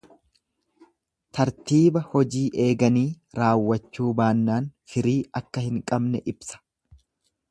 Tartiiba hojii eeganii raawwachuu baannaan firii akka hin qabne ibsa.